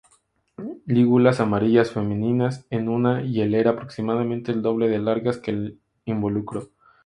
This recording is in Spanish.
Lígulas amarillas, femeninas, en una hilera aproximadamente el doble de largas que el involucro.